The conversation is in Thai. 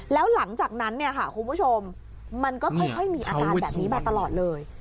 แล้วหลังจากนั้นเนี่ยค่ะคุณผู้ชมมันก็ค่อยมีอาการแบบนี้มาตลอดเลย